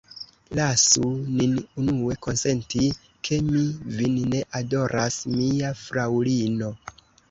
Lasu nin unue konsenti, ke mi vin ne adoras, mia fraŭlino.